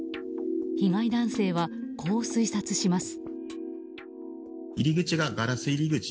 被害男性は、こう推察します。